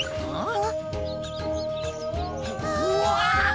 ああ！